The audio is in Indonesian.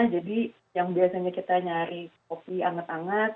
jadi yang biasanya kita nyari kopi anget anget